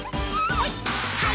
はい！